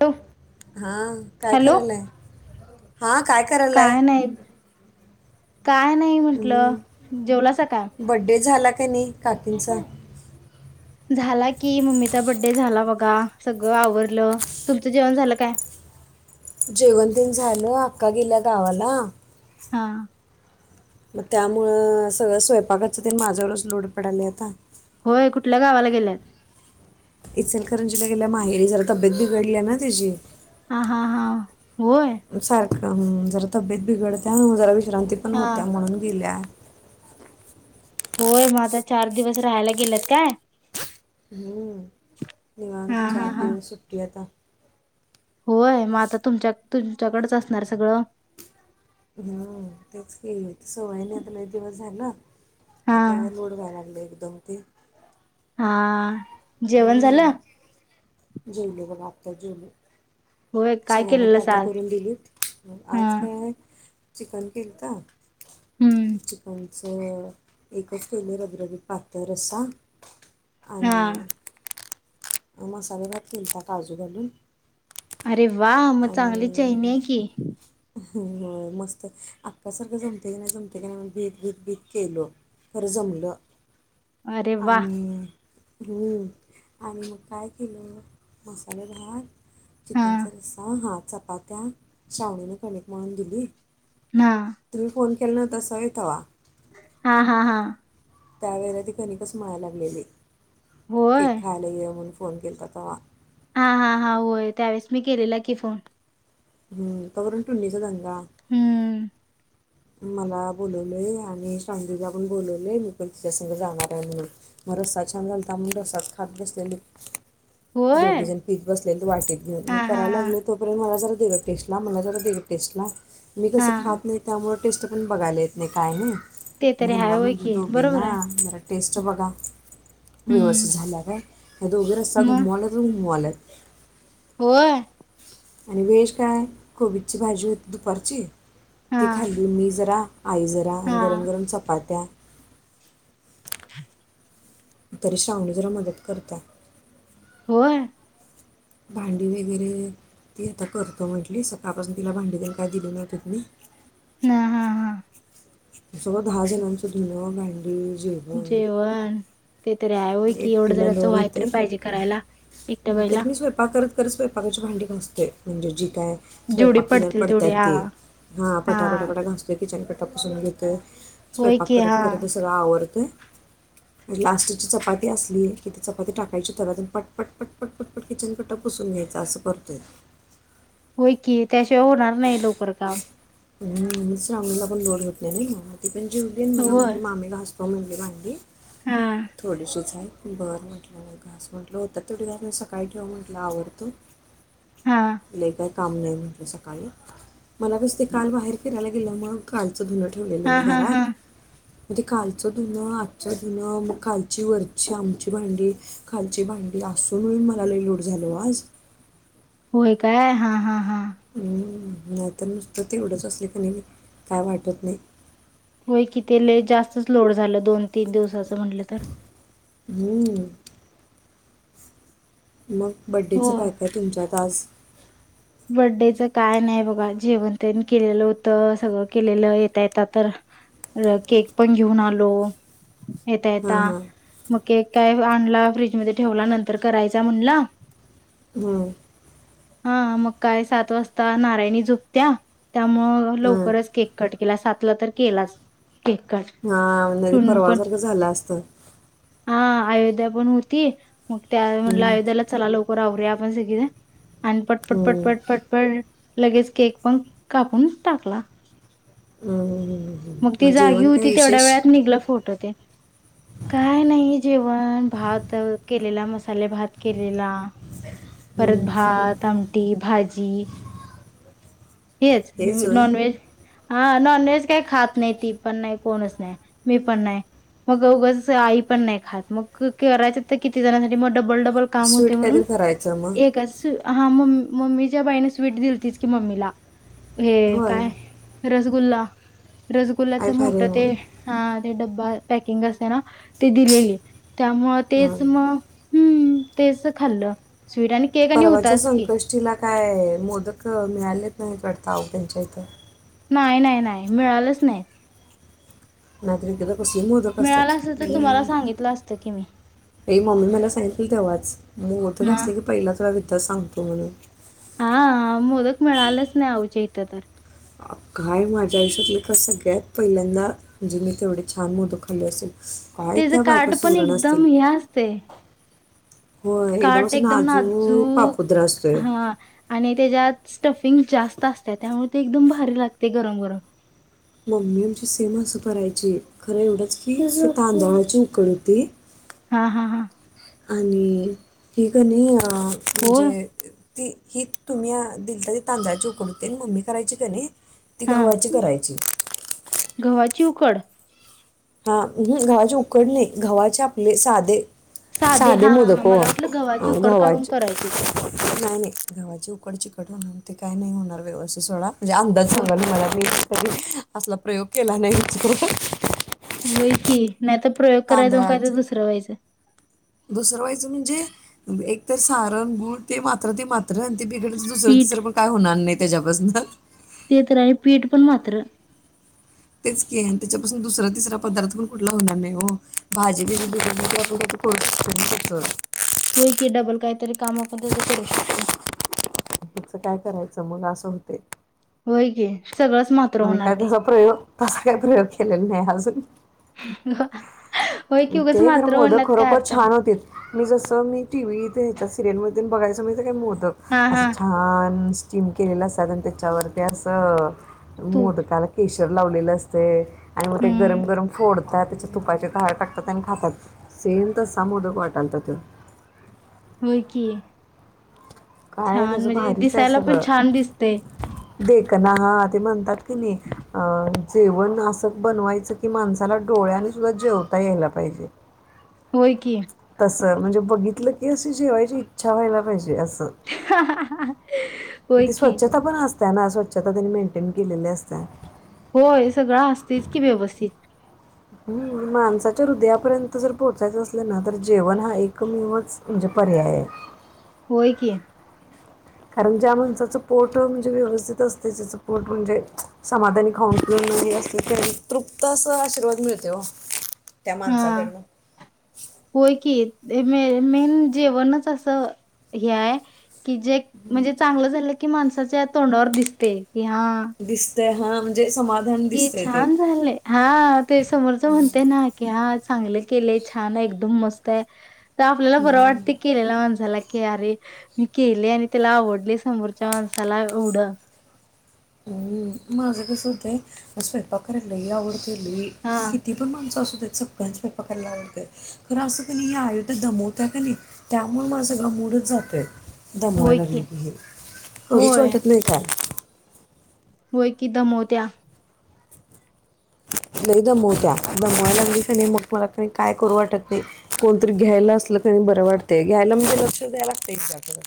Hello हा काय hello करायलाय? हा काय करायलय? काय नाही काय नाही म्हंटलं जेवलास का? कणी काकांचा झाला की मम्मीचा बर्थडे झाला बघा सगळं आवरलं तुमचं जेवण झालं काय? जेवतीन झालं अक्का गिल्या गावाला. हा मग त्यामुळं सगळं स्वयंपाकाच ते माझ्यावरच लोड पडले आता. होय कुठल्या गावाला गेल्यात? इचलकरंजी गेल्याय माहेरी जरा तब्येत बिघडली आहे ना तिची हा हा हा होय. सारखं जरा तब्येत बिघडते जरा विश्रांती पण हा होत्या म्हणून गेल्या. होय मग आता चार दिवस राहायला गेलेत काय? हम्म. निवांत हा चार हा हा दिवस सुट्टी आता. होय मग आता तुमच्या तुमच्याकडच असणार सगळं? हम्मं तेच की सवय नाही आता लय जेवण झालं हा आता लोड व्हायला [unintelligible] हा जेवण हम्म झालं? जेवलो बघा आत्ताच जेवलो. होय काय सगळ्यांना केलेलंस फोटो आज करून दिलीत हा आज काय आहे चिकन केलंत हम्म [unintelligible] स एकच पहिले रबरबीत पातळ रस्सा हा आणि ओ मसाला भात केलता काजू घालून अरे वा मग चांगली च चैनी आहे की हो मस्तच अका सारखं जमतंय की नाही भीत भीत भीत केलं खरं जमलं अरे वा आणि [inaudible] आणि मग काय केलं मसालेदार हा चिकनचा रस्सा हा चपात्या छावणी कणिक मळून दिली हा, तुम्ही फोन केला ना [unintelligible] हा हा हा त्यावेळेला ती कणीकच मळायला लागलेली. होय. खायला ये म्हणून फोन केलता तेव्हा. हा हा हा होय त्यावेेळेस मी केलेला की फोन. हम् कावररून टुननीचा दग. हम्म मला बोलवलंय आणि शांधला पण बोलवलेय मी पण तिच्यास जाणार आहे म्हणून मग रस्सा छान झालता तर म्हणून रसाात खात बसलेले. होय. दोघे जण पित बसलेले तर वाटीत घेऊन हा, मी हा, करायला हा. लागल तोपर्यंत मला जर. तेव टेस्टला मला जरा दिली टेस्टला. मी कसं हा. खात नाही त्यामुळे. टेस्ट पण बघायला येत नाही काय नाही. ते मग तरी हाय यांना होय म्हणलं की बरोबर आहे. दोघींना च बघा. हम्म. व्यवस्थित झाल्या का? दोघी रस्सा मग घुमवाल्यातच घुमवाल्यात. होय आणि व्हेज काय कोबीची भाजी होती दुपारची. हा, ती खाल्ली मी जरा. आई जरा हा. आणि गरम गरम चपात्या. [inaudible] तरी श्रावणी जरा मदत करत्या. होय भांडी वगैरे ती आता करतो म्हंटली, सकाळपासून तिला भांडी त्यांनी काय दिली नव्हती मी. ह हा हा सगळ दहा जणांचा धनवाग आहे. जेवण ते तरी आहेवय कि एवढं एकटीला जणांच लोड व्हायतरी होते पाहिजे करायला एकट्या बाईला. ख स्यपाकाची भांडी घ असते म्हणजे ज का स्वयक जेवढी केल्या पडतील तेवढी पडतात हा, ते हा पटाफटा पटा घासतो किचन. तपासून ते होय स्वयंपाक की करत हा. करत अस आवडत. लास्टची चपाती असली की ती चपाती टाकायची वतून पटपट पटपट पटपट किचन कट पुसून घ्यायचा असं करतोय. होय की त्याशिवाय होणार नाही लकर काम ह मांगलीला पण लोड होत नाही ना. पण जीवन मला म्हट होय. मामी घासतो म्हण. म्ही हा, [unintelligible] थोडसचां. बरं म्हटलं न घास म्हटलं होत तडघ मी सकाळी ठेऊ म्हटलं आवडतो. हा. लईभारी काम नाही होतू सा - मला बस ते काल बाहेर फिरायला गेलं मग काल - चधुन ठेवलेलं हा, मी हा, घरात हा. - मग ते कालचं धुनं आजच धुनं मग कालची वरची आमची भांडी काालची भांडी असून मला लईलोट झालो आज. होय काय हा हा हा हम्म नाहीत नुसतं तेवढंच असले का नेमी काय वाटत नाही. होय की तेले जास्तच लोड झालं दोन तीन दिवसाचं म्हटलं तर- हम्म मग बड्डेचं काय काय तुमच्यात आज? बर्थडच काय नाही बघा जेवण त्यांनी केलेलं होत सगळं केलेलं येता येत तर केक पण घेऊन आलो. येता हां येता हां मग केक - काय आणला फ्रीजमध्ये ठेवला नंतर करायचा म्हणला. हम्म हा मग काय सात वाजता नारायणी झोपत्या? त्यामुळ हां लवकरच केक कट - तला सातला तर केलाच. केट हां नाही तर टुू पण परवासारखं झालं असतं हा अयोध्या बनवती मग त्या म्हणल हम्म. आयोध्याला चला लवकर आवरूयात सग अनप पटपट हम्म, पटपट.. लगेच केक पण कापून टाकला. मग हम्म, ती जागी जेवण काय होती तेवढ्या विशेष वेळात निघलं फोटो तेण काय नाही जेवण भात केलेला मस्त. मसाले भात केलेला हम्म, परत भात आ - भाजी हेच नॉन व्हेज हा नॉन व्हेज काही खात नाही ती पण नाही कोणच नाही मी पण नाही मग उगच आई पण नाही खात मग करायच तर किती जणांसाठी मोठ - डबल डबल काम होते स्वीट म्हणून काहीतरी करायचं मग एकच हा मग... मम्मीच्या बाईने स्वीट दिलतीच की मम्मीला. हे होय काय रस गुल्ला आई रसगुल्लाचं भारी मोठं आहे ते मग हा.. डबा पॅकिंग असतेना ते दिलेली. त्यामुळे तेच हम्म. म. हम्म तेच त खाल्लं. स्वीट आणि केक आणि परवाच्या होताच की. संकष्टीला काय मोदक मिळालेत नाही वाटत, आहो त्यांच्या इथं. नाही, नाही, नाही मिळालंच नाही. नादरिकेत. कसले मोदक असतात. मिळालं असत तर तुम्हाला सांगितलं असतं की मी हे मम्मी मला सांगितली तेव्हाच मोदक ना असले की पहिला तुला देतो. त सांगतो म्हणून. हा मोदक मिळालंच नाही, आहो आमच्या इथं तर. काय माझ्या आयुष्यातले कस, सगळ्यात पहिल्यांदा म्हणजे मी तेवढे छान, मोदक खाल्ले असेल. काय त्येच त्या बायका काठ पण सुवर्ण असतील एकदम हे असतंय. होय काट असं एकदम नाजूक, पापुद्रा असतोय हा आणि त्याच्यात स्टफिंग जास्त असतय त्यामुळे, ते एकदम भारी लागतय गरम गरम. मम्मी आमची सेम असं, करायची खरं एवढंच की, तांदळाची उकड होती. हा हा. आणि ती कणी. हा, होय म्हणजे. ती ही तुम्ही दिलता ही तांदळाची उकड होते. मम्मी करायची कणी. ती हा गव्हाची करायची. गव्हाची उकड. हा म गव्हाचे उकड नाही, गव्हाचे आपले साधे. साधे हा हा मोदक ओ मला वाटलं गव्हाची उकड काढून गव्हाचे, करायची नाही, नाही गव्हाचे उकडचे. ते काय नाही होणार व्यवस्थित सोळा. म्हणजे अंदाज होय सांगा तुम्हाला मी. असला प्रयोग केला नाही विचित्र त. होय की. नाही त प्रयोग करायचा म्हणू काय तांदळाचे तर दुसरं व्हायचं दुसरं व्हायचं म्हणजे, एक तर सारंग गुळ ते मात्र ते मात तर ते बिगडच दुसर, पीठ तीसर, पण काय होणार नाहीत. त्याच्यापासूनत. ते तर आहे पीठ पण मात्र तेच की आणि त्याच्यापासून दुसरा तिसरा पदार्थ पण कुठला होणार नाही हो, भाजी बीजी [unintelligible] होय की डबल काहीतरी. काम आपण त्याच करू शकतोय. त्याचं काय करायचं मग असं होतय. होय की. सगळंच मात्र मी होणार काय ते त प्रयोग तसा काय प्रयोग केलेला नाही अजून होय की उगच ते खर मात्र मोदक होण्यात काय खरोखर अर्थ छान नाही होते मी जस मी टीव्ही ते ह्याच्या सिरियल मधी तेन बघयचं म्ह्यताय काय म त हा हा असं छान स्टीम केलेला असतात आणि त्याच्यावर ते असं तूप मोदकाला केस लावलेलं असतेय. आणि मग ते हम्म गरम गरम फोडत त्या त्याच्यात तुपाचे धार टाकतात आणि खातात सेम तसा मोदक वाटालत त्यो होय की काय छान त्याचं म्हणजे दिसायला पण छान दिसतेय. देकना हा ते म्हणतात कणी आ जेवण असं बनवायचं की माणसाला डोळ्याने सुद्धा जेवता यायला पाहिजे. होय की. तस म्हणजे बघितलं की अशी जेवायची इच्छा व्हायला पाहिजे अस [unintelligible] होय की. त्यांना स्वच्छता त्यांनी मेंटेन केलेली असत्या होय सगळं असतयच की व्यवस्थित हम्म माणसाच्या हृदयापर्यंत जर पोहोचायचं असलं ना तर जेवण हा एकमेवच म्हणजे पर्याय हाय. होय की. कारण ज्या माणसाचं पोट म्हणजे व्यवस्थित असते त्याचं पोट म्हणजे समाधानी खाऊन पिऊन असते ते तृप्त अस आशीर्वाद मिळतय ओ. हा होई की ते मेन जेवणच असं हे हाय की जे म्हणजे चांगलं झालं की माणसाच्या तोंडावर दिसतय की हा ते हा म्हणजे समाधान कि दिसतंय ते छान झालेय हा ते समोरच म्हणते ना की हा चांगले केलय छान आहे एकदम मस्तय. तर आपल्याला बरं हम्म. वाटते केलेला माणसाला की अरे मी केले आणि त्याला आवडले समोरच्या माणसाला एवढं हम्म माझं कस होतय स्वयपाक करायला लइ आव लई हा किती पण माणसं अस सगळा स्वयंपाक करायला आवडतोय खर असं कानी आया दमवतय कणी त्यामुळ माझ सगळा मुडच जातोय. दमवाय लागली की करूच होय वाटत नाही काय होय की दमोवत्या लई दमोवत्या दमवायला लागली कानी मग मला काय करू वाटत नाही कोणतरी घ्यायला असलं किन बरं वाटतय घ्यायला म्हणजे लक्ष द्यायला लागतंय तिच्याकड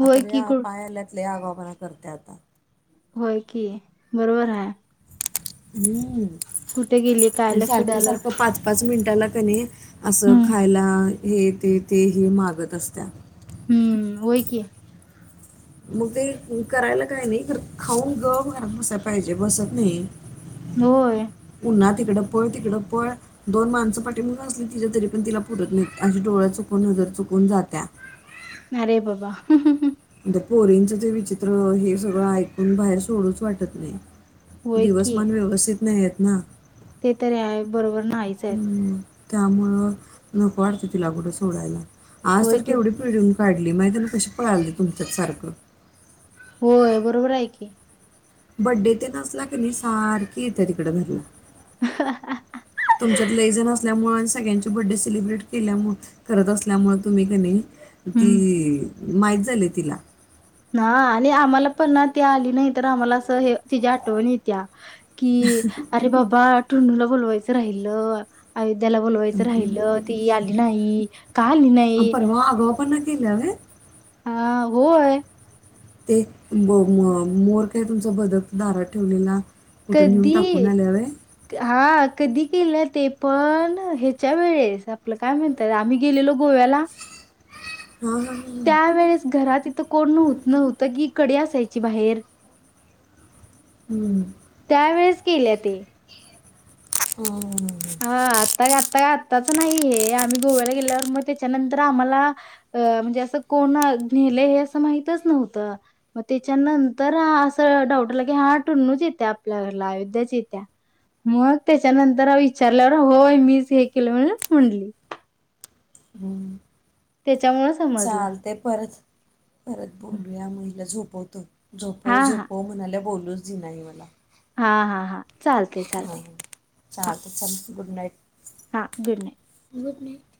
होय आता की या कु पाय आल्यात लई आगाऊपणा करते आता होय कि बरोबर हाय. हम्म कुठे गेली काय लक्ष द्यायला त्याला कनी असं हम्म खायला हे ते तेही मागत असत्या. हम्म होय कि. मग ते करायला काही नाही खाऊन गप घरात बसायला पाहिजे बसत नाही. होय. पुन्हा तिकडं पळ तिकड पळ दोन माणसं पाठीमागणं असली तिच्या तरी पण तिला पुरत नाहीत अस डोळा चुकवून, नजर चुकवून जात्या अरे बाबा पोरींचं ते विचित्र हे सगळं ऐकून बाहेर सोडूच वाटत नाही. होय की. दिवसमान व्यवस्थित नाहीत. ना ते तरी आहे बरोबर नाहीच [inaudible] आहेत. त्यामुळं नको वाटतय तिला कुठं सोडायला. आज होय की, केवढी पडून काढली माहितीय न कशी पळाली तुमच्यांत सारखं. होय बरोबर आहे की. बड्डे ते नसला की नाही सारखे येते तिकड घरी. तुमच्यात लैजण असल्यामुळे सगळ्यांचे बड्डे सेलिब्रेट केल्यामु करत असल्यामुळे तुम्ही का नई ती हम्म. इ माहीत झाले तिला. हा आणि आम्हाला पण ना ती आली नाही तर आम्हाला असं हे तिची आठवण येतीया. की अरे बाबा टुनुला बोलवायचं राहिलं तिला बोलवायचं राहिलं ती आली नाही का आली नाहीय? फोन केल्या व्हय. हा होय. ते मो म मोर काय तुमचा बदक दारात ठेवलेला. कुठं नेऊन कधी टाकून आल्या वे हा हा कधी केलं ते पण ह्याच्या वेळेस आपलं काय म्हणतात आम्ही गेलेलो गोव्याला हा हा. त्या वेळेस घरात इथं कोण नव्ह नव्हतं की कडी असायची बाहेर. हम्म. त्यावेेळेस केल्या ते हम. हा आता ग आतग आताच नाही हे आम्ही गोव्याला गेल्यावर मग त्याच्यानंतर आम्हाला अ म्हणजे असं कोण नेलं हे असं माहितच नव्हतं मग त्याच्यानंतर असं डाऊट आल की हा टुन्नुच येत्या आपल्या घरला अयोध्याच येत्या मग त्याच्यानंतर विचारलंवर होय मीच हे केलं म्हण म्हणली. हम्म. त्याच्यामुळे समजलं चालतंय परत परत बोलूया मुलीला झोप [unintelligible] हा झोपव हा झोपव म्हणायल्या बोल [unintelligible] हा हा हा. चालते चालते हम्म हा चालतंय चल. Good night. हा गुड नाईट. Good night.